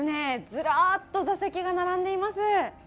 ズラっと座席が並んでいます。